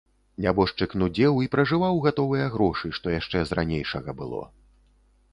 Нябожчык нудзеў і пражываў гатовыя грошы, што яшчэ з ранейшага было.